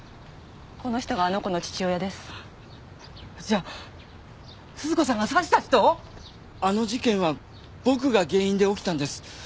この人があの子の父親ですじゃあ鈴子さんが刺した人⁉あの事件は僕が原因で起きたんです